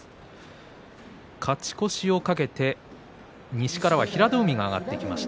勝ち越しを懸けて西からは平戸海が上がってきました。